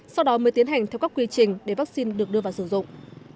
sau đó mới tiến hành theo các quy trình để vaccine được đưa vào sử dụng